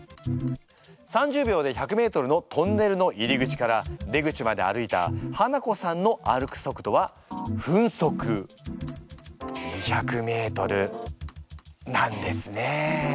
３０秒で１００ｍのトンネルの入り口から出口まで歩いたハナコさんの歩く速度は分速２００ｍなんですね。